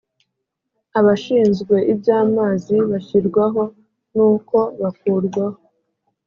abashinzwe iby amazi bashyirwaho n uko bakurwaho